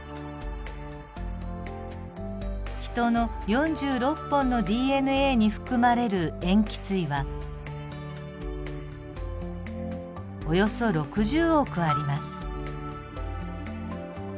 ヒトの４６本のＤＮＡに含まれる塩基対はおよそ６０億あります。